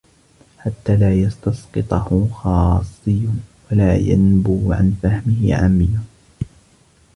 حَتَّى لَا يَسْتَسْقِطَهُ خَاصِّيٌّ وَلَا يَنْبُوَ عَنْ فَهْمِهِ عَامِّيٌّ